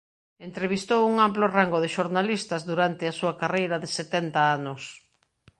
Entrevistou un amplo rango de xornalistas durante a súa carreira de setenta anos.